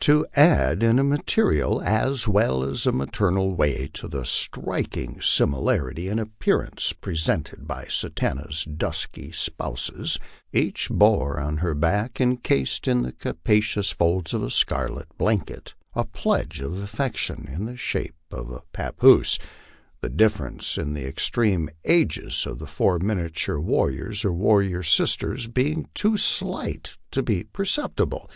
To add in a material as well as maternal way to the striking similarity in appearance presented by Sa tan ta's dusky spouses, each bore on her back, encased in the capacious folds of a scarlet blanket, a pledge of affection in the shape of a papoose, the differ ence in the extreme ages of the four miniature warriors, or warriors' sisters, being too slight to be perceptible.